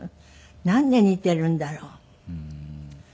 なんで似ているんだろう？